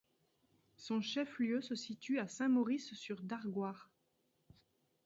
Son chef-lieu se situe à Saint-Maurice-sur-Dargoire.